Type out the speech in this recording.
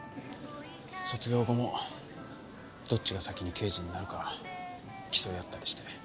卒業後もどっちが先に刑事になるか競い合ったりして。